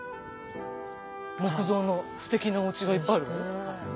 木造のステキなおうちがいっぱいある。